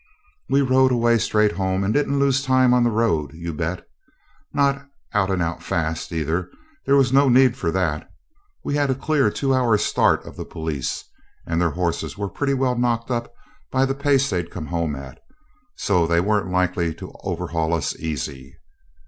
We rode away straight home, and didn't lose time on the road, you bet. Not out and out fast, either; there was no need for that. We had a clear two hours' start of the police, and their horses were pretty well knocked up by the pace they'd come home at, so they weren't likely to overhaul us easy.